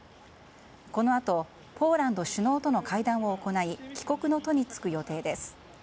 このあとポーランド首脳との会談を行い帰国の途に就く予定です。